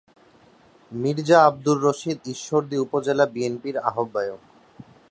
মীর্জা আব্দুর রশিদ ঈশ্বরদী উপজেলা বিএনপির আহ্বায়ক।